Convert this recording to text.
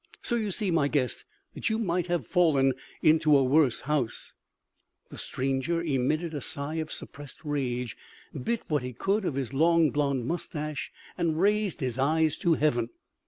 So you see, my guest, that you might have fallen into a worse house." [B] Ardent. [C] Man eater. The stranger emitted a sigh of suppressed rage, bit what he could reach of his long blonde mustache and raised his eyes to heaven.